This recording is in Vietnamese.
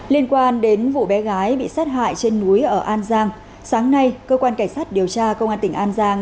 liên quan đến vụ bé gái bị sát hại trên núi ở an giang sáng nay cơ quan cảnh sát điều tra công an tỉnh an giang